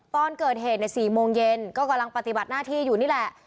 ตอนเกิดเหตุใน๔โมงเย็นก็กำลังปฏิบัติหน้าที่อยู่นี่แหละ